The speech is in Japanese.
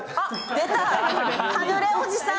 出た、カヌレ王子さん！